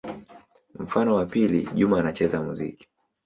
Mfano wa pili: Juma anacheza muziki.